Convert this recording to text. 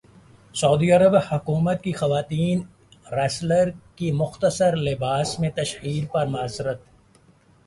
سعودی Arab حکومت کی خاتون ریسلر کی مختصر لباس میں تشہیر پر معذرت